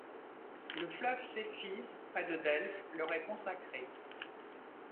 Le fleuve Céphise près de Delphes leur est consacré.